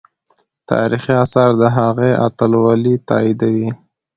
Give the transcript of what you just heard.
تاریخي آثار د هغې اتلولي تاییدوي.